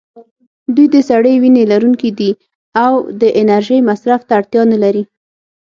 دوی د سړې وینې لرونکي دي او د انرژۍ مصرف ته اړتیا نه لري.